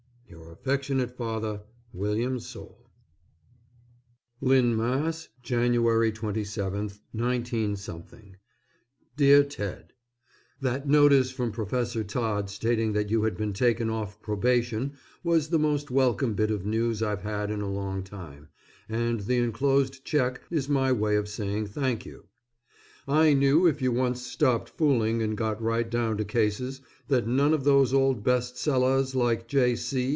Your affectionate father, WILLIAM SOULE. LYNN, MASS., _January 27, 19 _ DEAR TED: That notice from Professor Todd stating that you had been taken off probation was the most welcome bit of news I've had in a long time, and the enclosed check is my way of saying thank you. I knew if you once stopped fooling and got right down to cases, that none of those old best sellers like J. C.